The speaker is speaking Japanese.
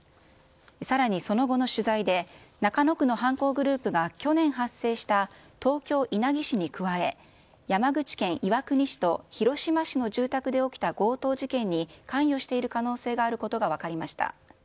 さらにその後の取材で、中野区の犯行グループが去年発生した東京・稲城市に加え、山口県岩国市と広島市の住宅で起きた強盗事件に関与している可能性があることが分かりました。